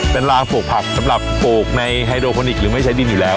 เป็นรางปลูกผักสำหรับปลูกในไฮโดโคนิคหรือไม่ใช้ดินอยู่แล้ว